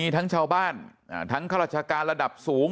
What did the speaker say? ทั้งชาวบ้านทั้งข้าราชการระดับสูง